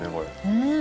うん。